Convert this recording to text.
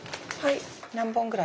何本ぐらい？